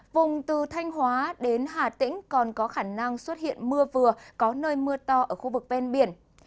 vùng từ thanh hóa đến hà tĩnh còn có khả năng xuất hiện mưa vừa có nơi mưa to ở khu vực ven biển